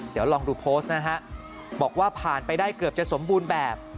เดี๋ยวลองดูโพสต์นะฮะบอกว่าผ่านไปได้เกือบจะสมบูรณ์แบบ